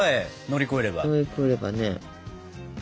乗り越えればね。